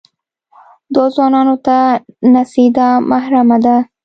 دوو ځوانان ته نڅېدا محرمه ده.